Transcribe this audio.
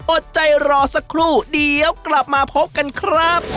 อดใจรอสักครู่เดี๋ยวกลับมาพบกันครับ